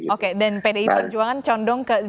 oke dan pdi perjuangan condong ke